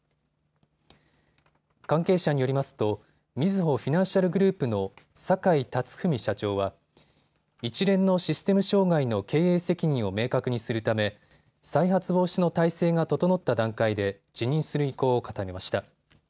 関係者によりますとみずほフィナンシャルグループの坂井辰史社長は一連のシステム障害の経営責任を明確にするため再発防止の態勢が整った段階で辞任する意向を固めました。